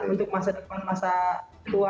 untuk masa depan masa tua